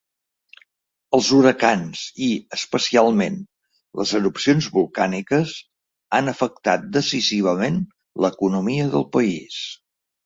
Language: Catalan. Els huracans i, especialment, les erupcions volcàniques han afectat decisivament l'economia del país.